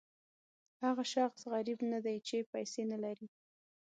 هغه شخص غریب نه دی چې پیسې نه لري.